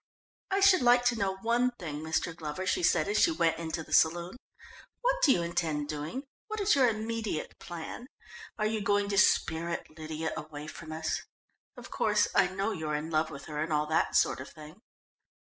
"I should like to know one thing, Mr. Glover," she said as she went into the saloon. "What do you intend doing? What is your immediate plan? Are you going to spirit Lydia away from us? Of course, I know you're in love with her and all that sort of thing."